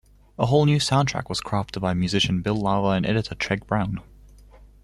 A whole new soundtrack was crafted by musician Bill Lava and editor Treg Brown.